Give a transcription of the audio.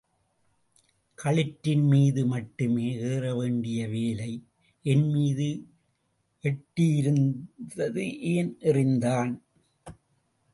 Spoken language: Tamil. களிற்றின் மீது மட்டுமே எறிய வேண்டிய வேலை என் மீது எட்டியிருந்து ஏன் எறிந்தான்?